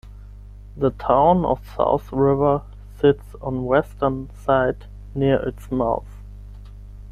The town of South River sits on western side near its mouth.